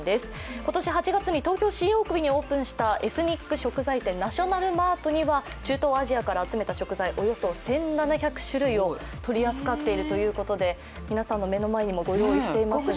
今年８月に東京・新大久保にオープンしたエスニック食材店、ナショナルマートには中東アジアから集めた食材、およそ１７００点を取り扱っているということで、今皆さんの前にもご用意しています。